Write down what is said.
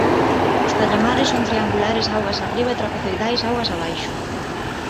Os tallamares son triangulares augas arriba e trapezoidais augas abaixo.